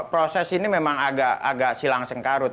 proses ini memang agak silang sengkarut